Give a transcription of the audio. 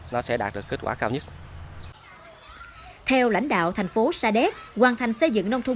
nó sẽ đạt được kết quả cao nhất theo lãnh đạo thành phố sa đéc hoàn thành xây dựng nông thôn